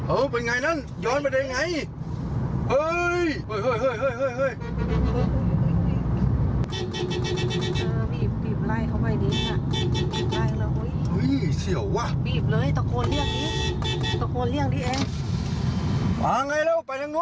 โอ้โห